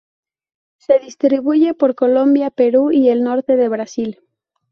Se distribuye por Colombia, Perú y el norte de Brasil.